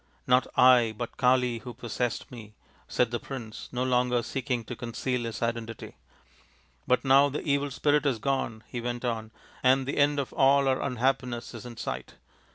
" Not I, but Kali who possessed me," said the prince, no longer seeking to conceal his identity. " But now the evil spirit is gone," he went on, " and the end of all our unhappiness is in sight.